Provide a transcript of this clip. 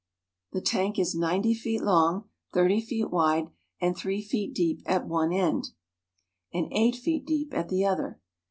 The tank is ninety feet long, thirty feet wide, and three feet deep at one end and eight feet deep at 1 the other.